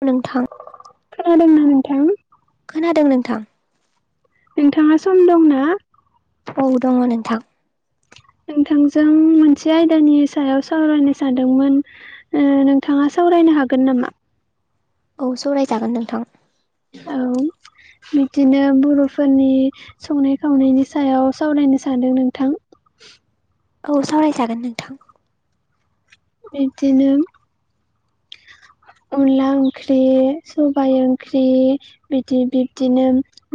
[unintelligible] नोंथां खोनादोंना नोंथां खोनादों नोंथां। नोंथाङा सम दंना? औ दङ' नोंथां। नोंथांजों मोनसे आयदानि सायाव सावरायनो सानदोंमोन ओ नोंथाङा सावराय नो हागोन नामा? औ सरायजागोन नोंथां। औ बिदिनो बर'फोरनि संनाय खावनायनि सायाव सावरायनो सानदों नोंथां। औ सावरायजागोन नोंथां। इदिनो अनला ओंख्रि, सबाय ओंख्रि बिदि बिब्दिनो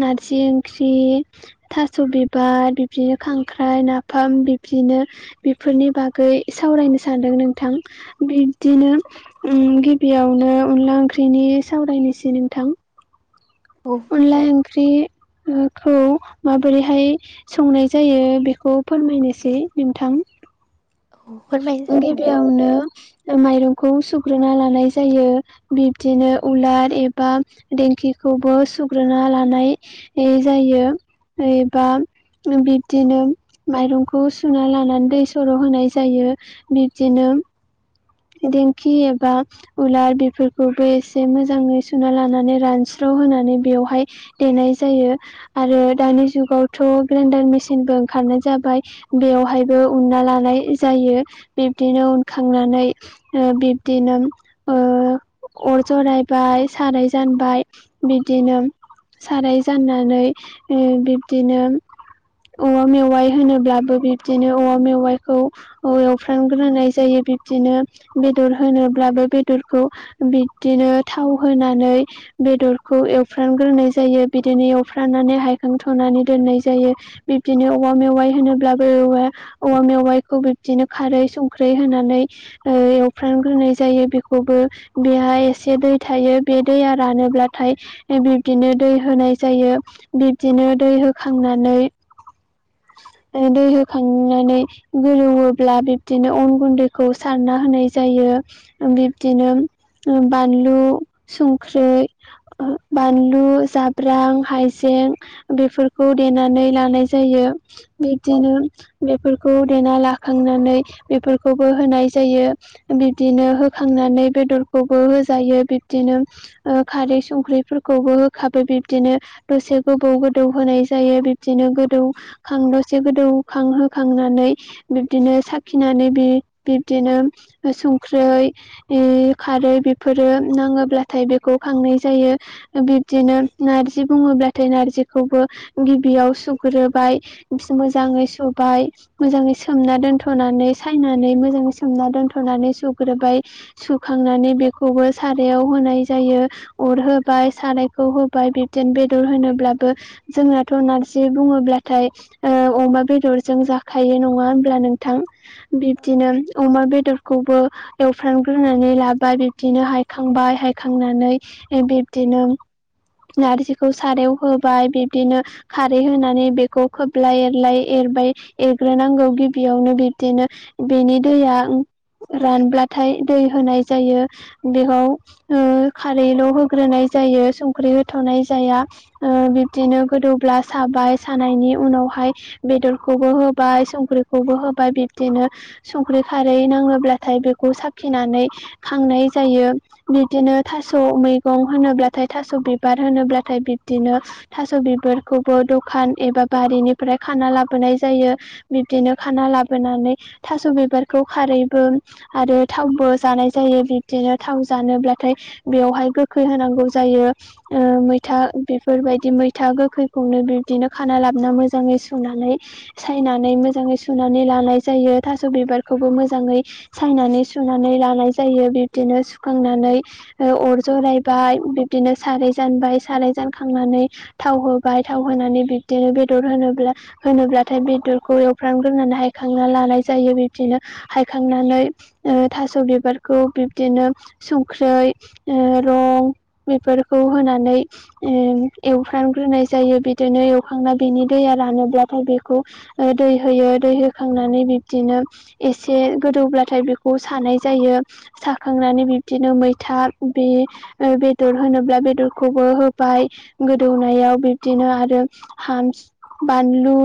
नारज जि ओंख्रि, थास' बिबार बिब्दिनो खांख्राइ, नाफाम बिब्दिनो बेफोरनि बागै सावरायनो सानदों नोंथां। बिब्दिनो उम गिब बेयावनो अनला ओंख्रिनि सावरायनोसै नोंथां। औ अनला ओंख्रि ओखौ माबोरैहाय संनाय जायो बेखौ फोरमायनोसै नोंथां। औ फोरमाय ओ नोंथां गिबियावनो ओ माइरंखौ सुग्रोना लानाय जायो। बिब्दिनो उलार एबा देंखिख खौबो सुग्रोना लानाय ए जायो‌‌। एबाम ओम बिब्दिनोम माइरंखौ सुना लानानै दै सर' होनाय ज जायो। बिब्दिनोम दिंखि एबा उलार बेफोरखौबो एसे मोजाङै सुना लानानै रानस्र [unintelligible] होनानै बेयावहाय देनाय जायो आरो दानि जुगावथ' ग्रेनडार मेसिनबो ओंखारनाय जाबाय बेयावहायबो उनना लानाय जायो बिबदिनो उनखांनानै ओ बिब्दिनोम ओ अर जरायबाय साराय जानबाय बिदिनोम साराय जाननानै ओ बिब्दिनोम औवा मेवाइ होनोब्लाबो बिब्दिनो औवा मेवाइखौ औ एवफ्रानग्रोनाय जायो। बिब्दिनो बेदर होनोब्लाबो बेदरखौ बिदिनो थाव होनानै बेदर [unintelligible] खौ एवफ्रानगोरनाय जायो बिदिनो एवफ्रानानै हायखां थ'नानै दोननाय जायो बिबदिनो [unintelligible] ओ मेवाइ होनोब्लाबो औ [unintelligible] औवा मेवाइखौ बिब्दिनो खारै संख्रै होनानै ओ एवफ्रामग्रोनाय जायो बेखौबो बेहाय एसे दै थायो बे दैया रानोब्ला था [unintelligible] [unintelligible] ओ बिब्दिनो दै होनाय जायो बिबदिनो दै होखांनानै [inaudible] दै होखांनानै गोदौयोब्ला बिब्दिनो अन गुन्दैखौ सारना होनाय जायो बिब्दिनो बानलु संख्रि [unintelligible] बानलु जाब्रां हायजें बेफोरखौ देनानै लानाय जायो । बिदिनो बेफोरखौ देना लाखांनानै बेफोरखौबो होनाय [unintelligible] बिदिनो होखांनानै बेदरखौबो होजायो । बिदिनो ओ खारै संख्रिफोरखौबो होखाबाय बिबदिनो दसे गोबौ गोदौ होनाय जायो । बिबदिनो गोदौ खां दसे गोदौखां होखांनानै बिब्दिनो साखिनानै बिदिनो संख्रै खारै बेफोरो नाङोब्लाथाय बेखौ खांनो बिदिनो नारजि बुङोब्लाथाय नारजिखौबो गिबियाव सुग्रो बाय मोजाङै सुबाय मोजाङै सोमना दोनथ'नानै सायनानै मोजां सोमना दोनथ'नानै सुग्रोबाय सुखांनानै बेखौबो सारायाव होनाय जायो । अर होबाय सारायखौ होबाय बिबदिेन बेदर होनोब्लाबो जोंनाथ' नारजि बुङोब्ला नाथाय ओ अमा बेदरजों जाखायो नङा होनब्ला नोंथां बिब्दिनो अमा बेदरखौबो एवफ्रानग्रोनानै लाबाय बिब्दिनो हायखांबाय हायखांनानै बिब्दिनो। [inaudible] एरबाय एरग्रोनांगौ गिबियावनो बिब्दिनो बेनि दैया रानब्लाथाय दै होनाय जायो । जायो संख्रि होथ'नाय जाया बेहाय बेदरखौबो होबाय संख्रिखौबो होबाय बिब्दिनो संख्रि थास' मैगं होनोब्लाथाय थास' बिबार होनोब्लाथाय बिब्दिनो थास' बिबारखौबो द खान एबा बारिनिफ्राय खाना लाबोनाय जायो बिब्दिनो खाना लाबोनानै थास' बिबारखौ खारैबो आरो थावबो जानाय जायो बिबदिनो थाव जानोब्लाथाय बेयावहाय गोखैंय होनांगौ जायो। मैथा बेफोरबायदि मैथा गोखैंखौनो बिबदिनो खाना लाबोना मोजाङै सुनानै सायनानै मोजाङै सुनानै लानाय जायो । थास' बिबारखौबो मोजाङै सायनानै सुनानै लानाय जायो बिब्दिनो सुखांनानै [unintelligible] [unintelligible] जायो बिब्दिनो हायखांनानै ओ थास' बिबारखौ बिब्दिनो संख्रै रंग बेफोरखौ होनानै एवफ्रामग्रोनाय जायो । बिदिनो एवखांना बिनि दैया रानोब्लाथाय बेखौ दै होयो दै होखांनानै बिदिनो एसे गोदौब्लाथाय बेखौ सानाय जायो साखांनानै बिबदिनो मैथा बे बेदर होनोब्ला बेदरखौबो होबाय गोदौनायाव बिबदिनो [unintelligible] बानलु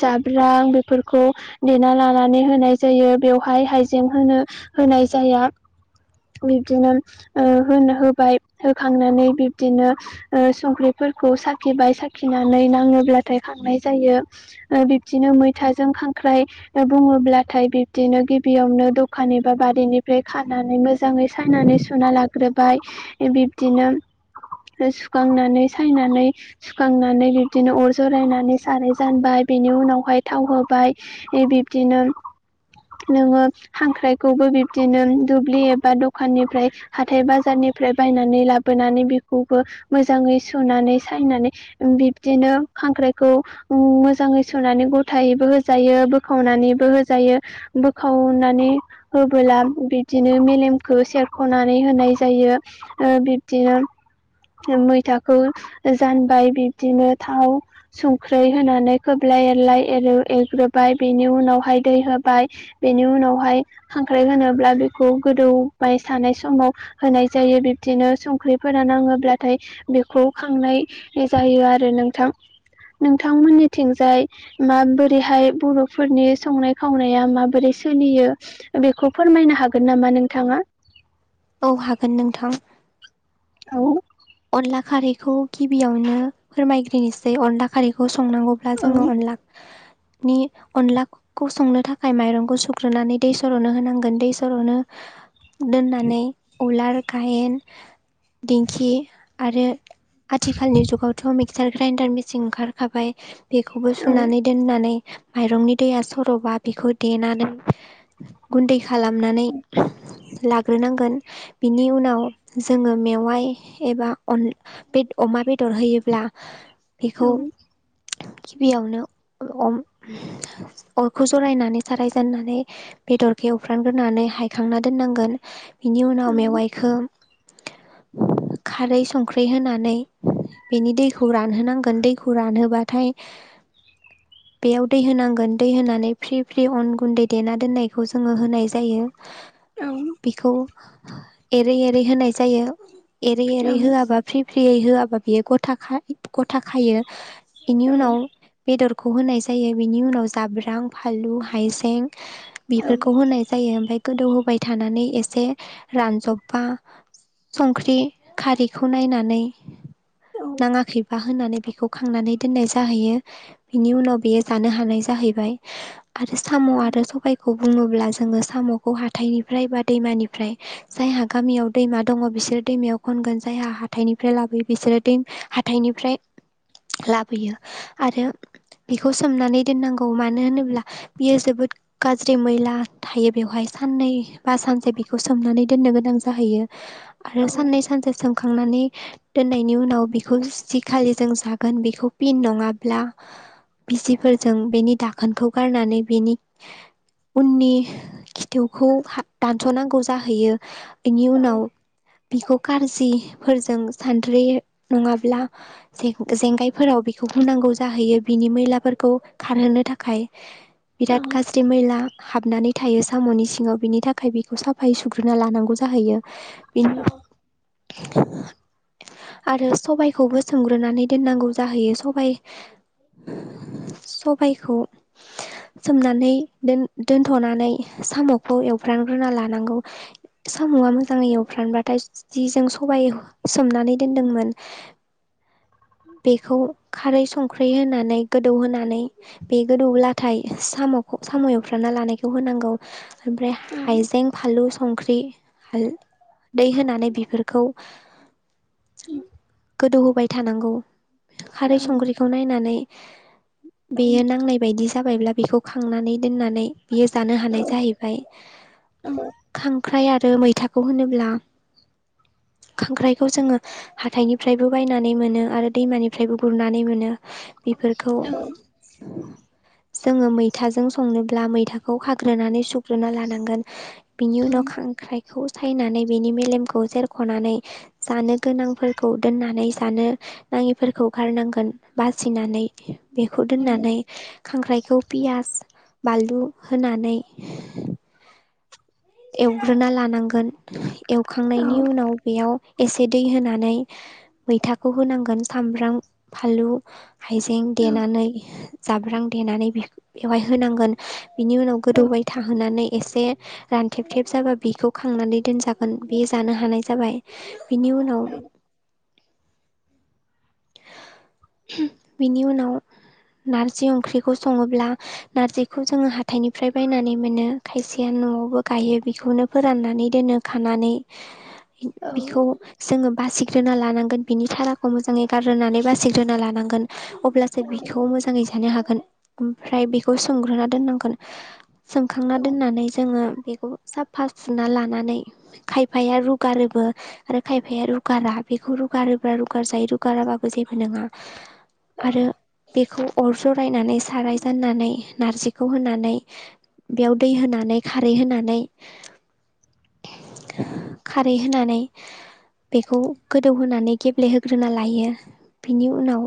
जाब्रां बेफोरखौ देना ला नानै होनाय जायो बेवहाय हाइजें होनो होनाय जाया । बिब्दिनो ओ होन होबाय होखांनानै बिब्दिनो संख्रि खौ साखिबाय साखिनानै नाङोब्लाथाय खांनाय जायो । ओ बिबदिनो मैथाजों खांख्राइ बुङोब्लाथाय बिब्दिनो गिबियावनो दखान एबा बारिनिफ्राय खानानै मोज जाङै सनानै सुना लाग्रोबाय बिब्दिनो सुखांनानै सायनानै सुखांनानै बिब्दिनो अर जरायनानै साराय जानबाय बेनि उनावहाय थाव होबाय बिब्दिनो नोङो खांख्रायखौबो बिब्दिनो दुब्लि एबा दखाननिफ्राय हाथाय बाजार निफ्राय बायनानै लाबोनानै बेखौबो मोजाङै सुनानै सायनानै बिबदिनो खांख्राइखौ मोजाङै सुनानै गथायैबो होजायो। बोखावनानैबो होजायो बोखावनानै होबोला बिबदिनो मेलेमखौ सेर खनानै होनाय जायो बिब्दिनो मैथाखौ जानबाय बिब्दिनो थाव संख्रै होनानै खोब्ल एलाइ एरलाय एरो एरग्रोबाय बेनि उनावहाय दै होबाय बेनि उनावहाय खांख्राइ होनोब्ला बेखौ गोदौबाय सानाय समाव होनाय जायो बिब्दिनो संख्रिफोरा नाङोब्लाथाय बेखौ खांनाय जायो आरो नोंथां नोंथांमोननिथिंजाय माबोरैहाय बर' फोरनि संनाय खावनाया माबोरै सोलियो बेखौ फोरमायनो हागोन नामा नोंथाङा औ हागोन नोंथां औ अनला खारैखौ गिबियावनो फोरमायग्रोननिसै अनला खारैखौ स संनांगौब्ला औ जोङो अनला अनलाखौ संनो थाखाय माइरंखौ सुग्रोनानै दै सर'नो होनांगोन दै सरावनो दोननानै उलार गायेन दिंखि आरो आथिखालनि जुगावथ' मिक्सार ग्राइन्डार मेचिन ओंखारखाबाय बेखौबो सुनानै दोननानै माइरंनि दैया सर'बा बेखौ देनानै गुन्दै खालामनानै लाग्रोनांगोन बिनि उनाव जोङो मेवाय एबा अन बे अमा बेदर होयोब्ला बेखौ औ गिबियावनो अरखौ जरायनानै सारायजेननानै बेदरखौ एवफ्रानग्रोनानै हायखांना दोननांगोन बिनि उनाव औ मेवाइखौ खारै संख्रै होनानै बेनि दैखौ रानहोनांगोन दैखौ रानहोबाथाय बेयाव दै होनांगोन दै होनानै फ्रि फ्रि अन गुन्दै देना दोननायखौ जोङो होनाय जायो औ बेखौ एरै एरै होनाय जायो एरै एरै होआाबा फ्रि फ्रियै होआबा बियो गथा गथा खायो बेनि औ उनाव बेदरखौ होनाय जायो बेनि उनाव जाब्रां फानलु हाइजें औ बेफोरखौ होनाय जायो ओमफफ्राय गोदौहोबाय थानानै एसे रानजबबा संख्रि खारैखौ नायनानै नाङाखैबा होनानै बेखौ खांनानै दोननाय जाहैयो बिनि उनाव बेयो जानो हानाय जाहैबाय आरो साम' आरो सबायखौ खौ बुङोब्ला जोङो साम'खौ हाथाइनिफ्राय बा दैमानिफ्राय जायहा गामियाव दैमा दङ बिस सोर दैमायाव खनगोन जायहा हाथाइनिफ्राय लाबोयो बिसोरो दै हाथाइनिफ्राय लाबोयो आरो बेखौ सोमनानै दोननांगौ मानो होनोब्ला बियो जोबोद गाज्रि मैला थायो बेवहाय साननै बा सानसे बेखौ सोमनानै दोननो गोनां जाहैयो आरो सान सोमखांनानै दोननायनि उनाव बेखौ जि खालि जों जागोन बेखौ फिन नङाब्ला बिसिफोरजों बेनि दाखोनखौ गारनानै बेनि उननि खिथौखौ दानस'नांगौ जाहैयो बेनि उनाव बिखौ खारजि फोरजों सानद्रि नङाब्ला जेंगायफोराव बेखौ हुनांगौ गौ जाहैयो बिनि मैलाफोरखौ खारहोनो थाखाय बिराद गाज्रि मैला हाबनानै थायो साम'नि सिङाव बिनि थाखाय बेखौ साफायै सुग्रोना लानांगौ जाहैयो बि आरो सबायखौबो सोमग्रोनानै दोननांगौ जाहैयो सबाइ सबायखौ सोमनानै दोन दोनथ'नानै साम'खौ एवफ्रामग्रोना लानांगौ साम' मोजाङै एवफ्रामबाथाय जि जों सबाइ सोमनानै दोनदोंमोन उ बेखौ खारै संख्रि होनानै गोदौ होनानै बे गोदौब्लाथाय साम'खौ साम' एवफ्रामना लानायखौ होनांगौ ओमफ्राय हायजें फानलु संख्रि हालदै होनानै बेफोरखौ गोदौहोबाय थानांगौ। खारै संख्रिखौ नायनानै बेयो नांनाय बायदि जाबायब्ला बेखौ खांनानै दोननानै बियो जानो हानाय जाहैबाय। उम ख्राइ आरो मैथाखौ होनोब्ला खांख्राइखौ जोङो हाथाइनिफ्रायबो बायनानै मोनो आरो दैमानिफ्रायबो गुरनानै मोनो। बेफोरखौ जोङो मैथाजों संनोब्ला मैथाखौ हाग्रोनानै सुग्रोना लानांगोन। बिनि उनाव खांख्राइखौ सायनानै बिनि मेलेमखौ जेर ख'नानै जानो गोनांफोरखौ दोननानै जानो नाङिफोरखौ गारनांगोन बा बासिनानै बेखौ दोननानै खांख्राइखौ पियास बानलु होनानै एवग्रोना लानांगोन एवखांनायनि उनाव बेयाव एसे दै होनानै मैथाखौ होनांगोन सामब्राम फानलु हायजें देनानै जाब रां देनानै बेव-बेवहाय होनांगोन बिनि उनाव गोदौबाय थाहोनानै एसे रानथेबथेब जाबा बिखौ खांनानै दोनजागोन बे जानो हानाय जाबाय बिनि उनाव बिनि उनाव नार्जि ओंख्रिखौ सङोब्ला नारजिखौ जोङो हााइनिफ्राय बायनानै मोनो खायसेया न'आवबो गायो बेखौनो फोराननानै दोनो खानानै बिखौ जोङो बासि सिग्रोना लानांगोन बिनि थाराखौ मोजाङै गारग्रोनानै बासिग्रोना लानांगोन अब्लासो बिखौ मोजाङै जानो हागोन ओमफ्राय बेखौ सोमग्रोना दोननांगोन सोमखांना दोननानै जोङो बे खौ साफा सुना लानानै खायफाया रुगारोबो आरो खायफाया रुगारा बे खौ रुगारोब्ला रुगार जायो रुगाराबाबो जेबो नङा आरो बेखौ अर जरायनानै साराय जाननानै नारजिखौ होनानै बेयाव दै होनानै खारै होनानै खारै होनानै बेखौ गोदौहोनानै गेब्लेहोग्रोना लायो बिनि उनाव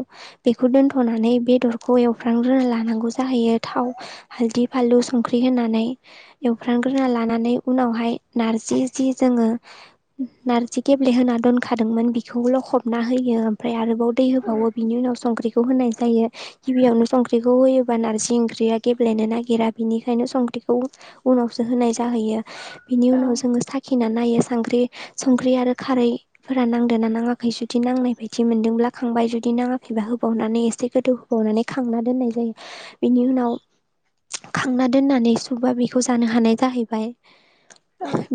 बेखौ दोनथ'नानै नै बेदरखौ एवफ्रामग्रोनानै लानांगौ जाहैयो थाव हालदै फानलु संख्रि होनानै एवफ्राम गोरना लानानै उनावहाय नारजि जि जोङो नार्जि गेब्लेहोना दोनखादों मोन बेखौ ल'खबना होयो ओमफ्राय आरोबाव दै होबावो बिनि उनाव संख्रिखौ खौ होनाय जायो गिबियावनो संख्रिखौ होयोबा नारजि ओंख्रिया गेब्लेनो नागिरा बेनिखायनो संख्रि खौ उनावसो होनाय जाहैयो बिनि उनाव जोङो साखि ना नायो संख्रि संख्रि आरो खारैफोरा नांदोंना नाङाखै जुदि नांनाय बायदि मोनदोंब्ला खांबाय जुदि नाङाखैबाबा होबावनानै एसे गोदौ होबावनानै खांना दोननाय जायो। बेनि उनाव खांना दोननानै सुबा बेखौ जानो हानाय जाहैबाय।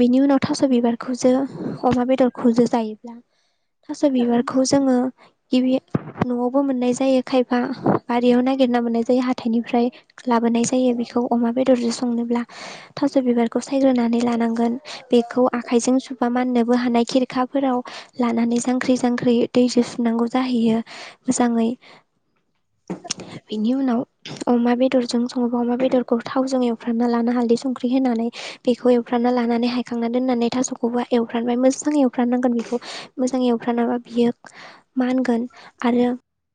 बिनि उनाव थास' बिबारखौजो अमा बेदरखौजो जायोब्ला थास' बिबारखौ जोङो गिबि न'आवबो मोननाय जायो खायफा बारियाव नागिरना मोननाय जायो हाथायनिफ्राय लाबोनाय जायो। बेखौ अमा बेदरजों संनोब्ला थास' बिबारखौ सायग्रोनानै लानांगोन बेखौ आखाइजों सुबा माननो बो हानाय खेरखाफोराव लानानै जांख्रि जांख्रि दै जों सुननांगौ जाहैयो मोजाङै [inaudible] बेनि उनाव अमा बेदरजों सङोबा अमा बेदरखौ थावजों एवफ्रामना लाना हालदै संख्रि होनानै बेखौ एवफ्रामना लानानै हायखांना दोननानै थासखौबो एवफ्रामबाय मोजां एवफ्रामनानै नांगोन बेखौ मोजां एवफ्रामनाबा बियो मा होनगोन आरो